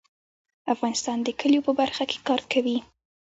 افغانستان د کلیو په برخه کې کار کوي.